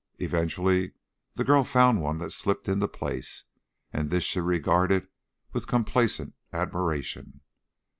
Eventually the girl found one that slipped into place, and this she regarded with complacent admiration.